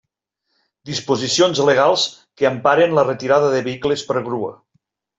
Disposicions legals que emparen la retirada de vehicles per grua.